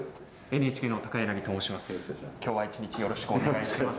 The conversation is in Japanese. ＮＨＫの高と申します。